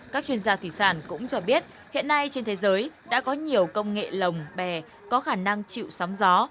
các chuyên gia thủy sản cũng cho biết hiện nay trên thế giới đã có nhiều công nghệ lồng bè có khả năng chịu sóng gió